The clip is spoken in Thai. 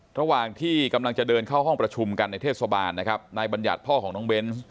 ระหว่างที่กำลังจะเดินเข้าห้องประชุมกันในเทศบาลนะครับนายบัญญัติพ่อของน้องเบนส์